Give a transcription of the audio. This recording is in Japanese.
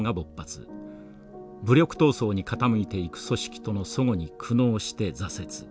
武力闘争に傾いていく組織との齟齬に苦悩して挫折。